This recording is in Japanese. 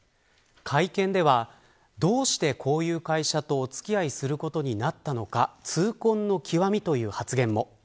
会見では、どうしてこういう会社とお付き合いすることになったのか痛恨の極み、という発言も。